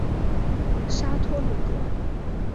沙托鲁格。